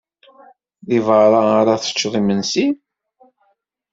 Deg beṛṛa ara teččed imensi?